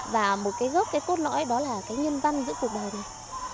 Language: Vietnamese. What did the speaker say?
và một gốc cốt nỗi đó là nhân văn giữ cuộc đời này